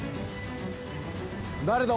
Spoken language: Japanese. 誰だ？